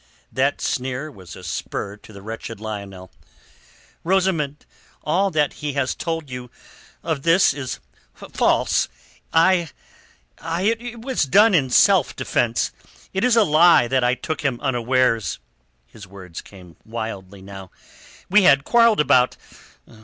That sneer was a spur to the wretched Lionel. "Rosamund, all that he has told you of it is false. I...I...It was done in self defence. It is a lie that I took him unawares." His words came wildly now. "We had quarrelled about...